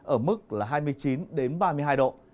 ở mức là hai mươi chín ba mươi hai độ